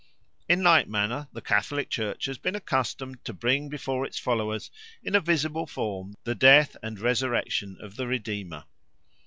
In like manner the Catholic Church has been accustomed to bring before its followers in a visible form the death and resurrection of the Redeemer.